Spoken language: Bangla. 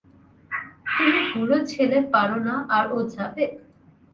তুমি বুড়ো ছেলে পারো না, আর ও যাবে?